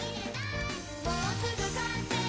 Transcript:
「もうすぐかんせい！